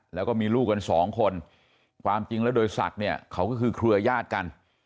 แล้วก็มีลูกกันสองคนความจริงแล้วโดยศักดิ์เนี่ยเขาก็คือเครือญาติกัน